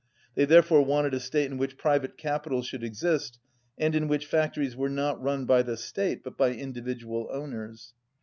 They therefore wanted a state in which private capital should exist, and in which factories were not run by the state but by individual owners.